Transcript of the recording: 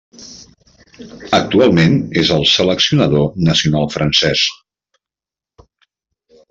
Actualment és el seleccionador nacional francès.